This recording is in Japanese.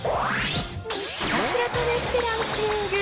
ひたすら試してランキング。